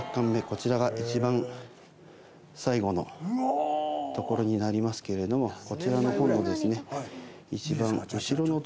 こちらが一番最後のところになりますけれどもこちらの本の一番後ろのところにですね